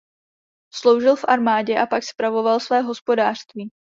Sloužil v armádě a pak spravoval své hospodářství.